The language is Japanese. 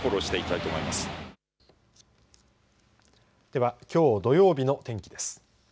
では、きょう土曜日の天気です。